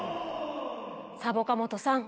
サボカもとさん。